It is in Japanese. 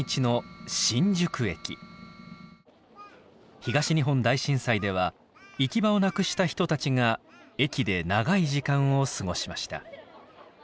東日本大震災では行き場をなくした人たちが駅で長い時間を過ごしました。